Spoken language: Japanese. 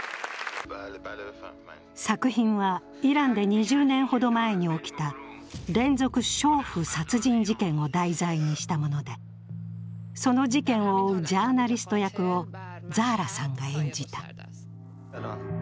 作品は、イランで２０年ほど前に起きた連続しょう婦殺人事件を題材にしたもので、その事件を追うジャーナリスト役をザーラさんが演じた。